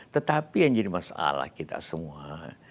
tetapi yang jadi masalah kita semua